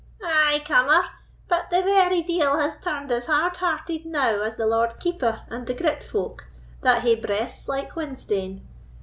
"Ay, cummer! but the very deil has turned as hard hearted now as the Lord Keeper and the grit folk, that hae breasts like whinstane.